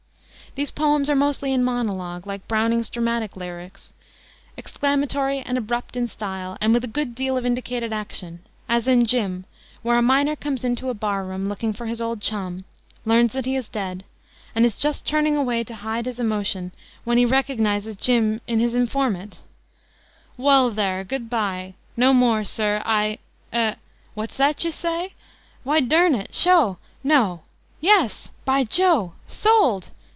These poems are mostly in monologue, like Browning's dramatic lyrics, exclamatory and abrupt in style, and with a good deal of indicated action, as in Jim, where a miner comes into a bar room, looking for his old chum, learns that he is dead, and is just turning away to hide his emotion, when he recognizes Jim in his informant: "Well, thar Good by No more, sir I Eh? What's that you say? Why, dern it! sho! No? Yes! By Jo! Sold!